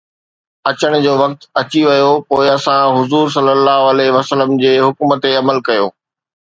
اچڻ جو وقت اچي ويو، پوءِ اسان حضور ﷺ جي حڪم تي عمل ڪيو